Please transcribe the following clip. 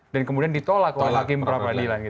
dan kemudian ditolak oleh hakim perapradilan